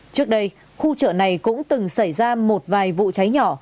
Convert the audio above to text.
trước đây khu chợ này cũng từng xảy ra một vài vụ cháy nhỏ